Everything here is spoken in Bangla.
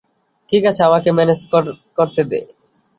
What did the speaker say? ঠিক আছে, আমাকে ম্যানেজ করতে দে।